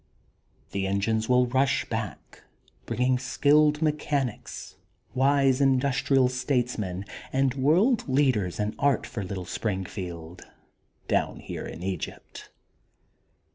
The engines will rush back, bringing skilled mechanics, wise industrial statesmen, and world leaders in art for little Springfield, down here in Egypt.